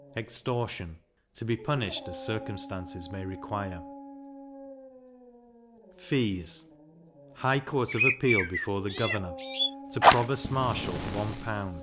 Extortion to be punished as circumstances may require. Fees. High court of appeal before the governor: to provost marshal 1L. 1s.